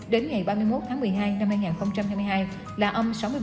đến ngày ba tháng lợi nhuận sau thuế chưa phân phối lỗ lũy kế